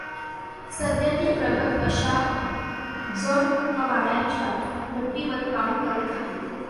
सध्या ते प्रगत अशा जड पाण्याच्या भट्टीवर काम करत आहेत.